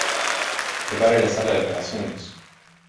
¡ Prepare la sala de operaciones!